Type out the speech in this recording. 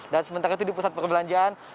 dan sementara itu di pusat perbelanjaan